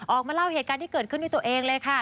ออกมาเล่าเหตุการณ์ที่เกิดขึ้นด้วยตัวเองเลยค่ะ